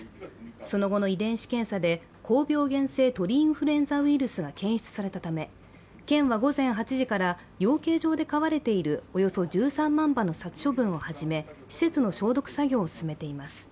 その後の遺伝子検査で高病原性鳥インフルエンザウイルスが検出されたため、県は午前８時から養鶏場で飼われているおよそ１３万羽の殺処分を始め施設の消毒作業を進めています。